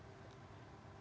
tidak akan berhasil